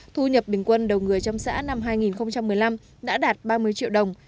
thu nhập bình quân đầu người trong xã năm hai nghìn một mươi năm đã đạt ba mươi triệu đồng